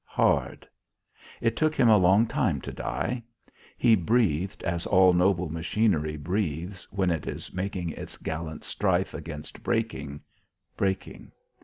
Hard. It took him a long time to die. He breathed as all noble machinery breathes when it is making its gallant strife against breaking, breaking.